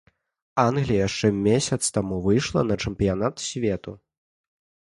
Англія яшчэ месяц таму выйшла на чэмпіянат свету.